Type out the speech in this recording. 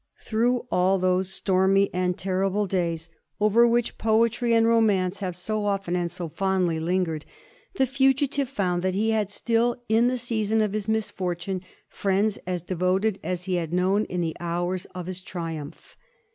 Through all those stormy and terrible days, over which poetry and romance have so often and so fondly lingered, the fugitive found that he had still in the season of his misfortune friends as devoted as he had known in the hours of his triumph.